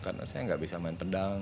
saya tidak bisa main pedang